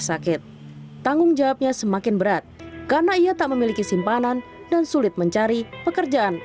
sakit tanggung jawabnya semakin berat karena ia tak memiliki simpanan dan sulit mencari pekerjaan